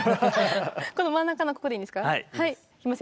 この真ん中のここでいいんですか？